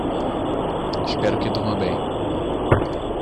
Espero que durma bem